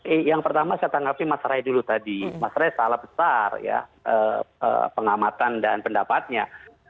iya yang pertama saya tanggapi mas rai dulu tadi mas ray salah besar ya pengamatan dan pendapatnya